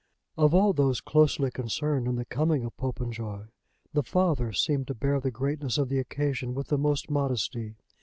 Of all those closely concerned in the coming of Popenjoy the father seemed to bear the greatness of the occasion with the most modesty.